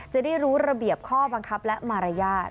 จะได้รู้ระเบียบข้อบังคับและมารยาท